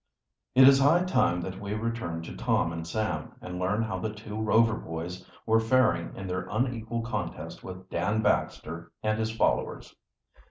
It is high time that we return to Tom and Sam, and learn how the two Rover boys were faring in their unequal contest with Dan Baxter and his followers.